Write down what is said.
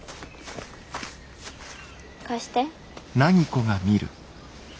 貸して。